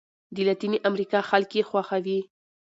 د لاتیني امریکا خلک یې خوښوي.